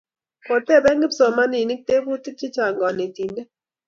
Kotepe kipsomaninik teputik chechang' kanetindet